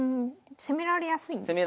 攻められやすいんですね。